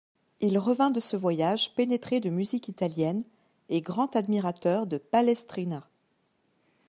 Il revint de ce voyage pénétré de musique italienne et grand admirateur de Palestrina.